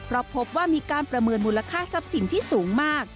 พบว่ามีการประเมินมูลค่าทรัพย์สินที่สูงมาก